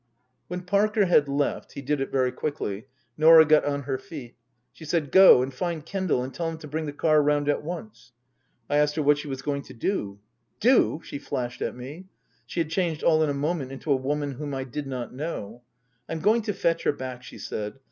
When Parker had left (he did it very quickly) Norah got on her feet. She said, " Go and find Kendal and tell him to bring the car round at once." I asked her what she was going to do ?" Do ?" she flashed at me. She had changed all in a moment into a woman whom I did not know. " I'm going to fetch her back," she said.